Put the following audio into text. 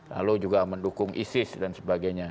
lalu juga mendukung isis dan sebagainya